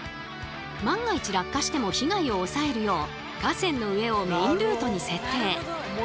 万が一落下しても被害を抑えるよう河川の上をメインルートに設定。